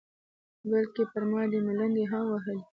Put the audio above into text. بلکې پر ما دې ملنډې هم وهلې.